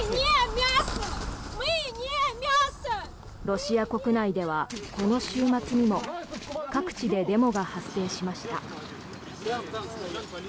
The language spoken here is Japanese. ロシア国内では、この週末にも各地でデモが発生しました。